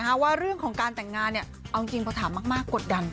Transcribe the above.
เพราะว่าเรื่องของการแต่งงานเนี่ยเอาจริงพอถามมากกดดัน